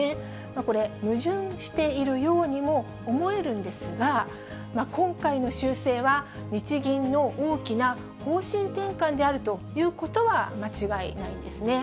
これ、矛盾しているようにも思えるんですが、今回の修正は、日銀の大きな方針転換であるということは、間違いないんですね。